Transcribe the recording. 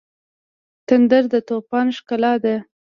تندر د طوفان ښکلا ده.